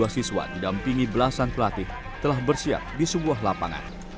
dua puluh siswa didampingi belasan pelatih telah bersiap di sebuah lapangan